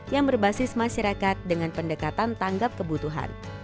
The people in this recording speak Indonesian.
yang berbasis masyarakat dengan pendekatan tanggap kebutuhan